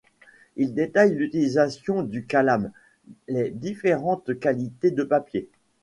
Il détaille l’utilisation du calame, les différentes qualités de papier.